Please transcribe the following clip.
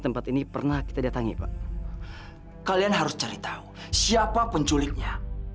sampai jumpa di video selanjutnya